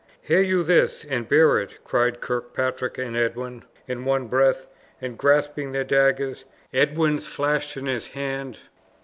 "Hear you this, and bear it?" cried Kirkpatrick and Edwin in one breath, and grasping their daggers, Edwin's flashed in his hand.